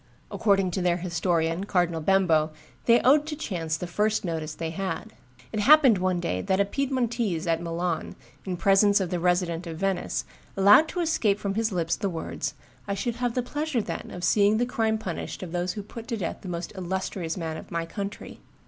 According to their historian, Cardinal Bembo, they owed to chance the first notice they had. It happened one day that a Piedmontese at Milan, in presence of the Resident of Venice, allowed to escape from his lips the words, "I should have the pleasure, then, of seeing the crime punished of those who put to death the most illustrious man of my country."